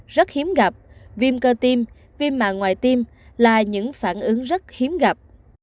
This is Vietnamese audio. rất hiếm gặp viêm cơ tiêm viêm mạng ngoài tiêm là những phản ứng rất hiếm gặp